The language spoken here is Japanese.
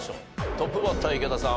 トップバッター池田さん